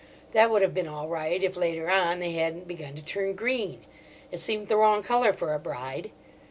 That would have been all right if later on they hadn't begun to turn green: it seemed the wrong colour for a bride.